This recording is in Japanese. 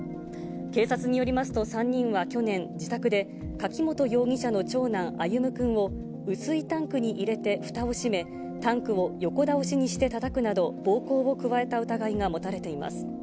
警察によりますと、３人は去年、自宅で、柿本容疑者の長男、歩夢くんを雨水タンクに入れて、ふたを閉め、タンクを横倒しにしてたたくなど、暴行を加えた疑いが持たれています。